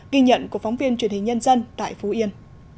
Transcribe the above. ghi nhận của phóng viên truyền hình nhân dân tại phú yên